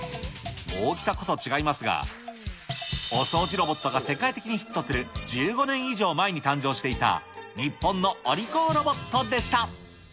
大きさこそ違いますが、お掃除ロボットが世界的にヒットする、１５年以上前に誕生していた日本のお利口ロボットでした。